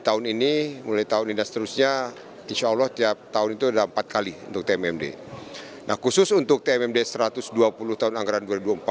tni manunggal membangun desa ke satu ratus dua puluh tahun anggaran dua ribu dua puluh empat